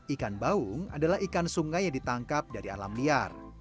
ikan baung adalah ikan sungai yang ditangkap dari alam liar